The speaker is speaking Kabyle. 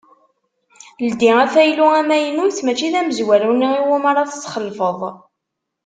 Ldi afaylu amaynut mačči d amezwaru-nni iwumi ara tesxelfeḍ.